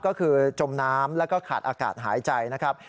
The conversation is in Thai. ก็คือจมน้ำแล้วก็ขาดอากาศหายใจนะครับ